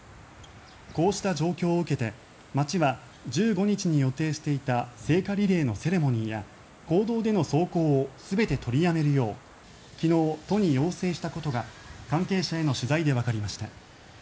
こうした状況を受けて町は１５日に予定していた聖火リレーのセレモニーや公道での走行を全て取りやめるよう昨日、都に要請したことが関係者への取材でわかりました。